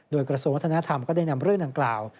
โดยกระทรวงวัฒนธรรมก็ได้นำเรื่องดังกล่าว